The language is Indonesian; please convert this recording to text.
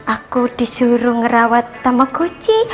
aku disuruh ngerawat tamagotchi